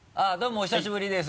お久しぶりです。